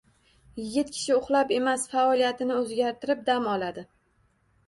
Yigit kishi uxlab emas, faoliyatini o’zgartirib dam oladi.